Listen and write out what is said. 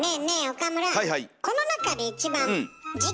岡村。